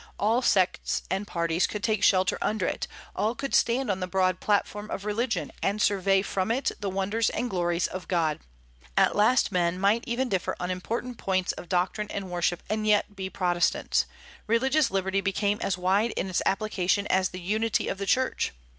All sects and parties could take shelter under it; all could stand on the broad platform of religion, and survey from it the wonders and glories of God. At last men might even differ on important points of doctrine and worship, and yet be Protestants. Religious liberty became as wide in its application as the unity of the Church.